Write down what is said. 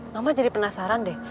mama jadi penasaran deh